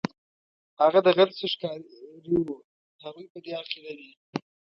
هغه د غرڅو ښکاري وو، هغوی په دې عقیده دي.